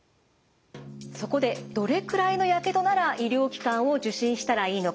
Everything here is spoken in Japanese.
そこでどれくらいのやけどなら医療機関を受診したらいいのか。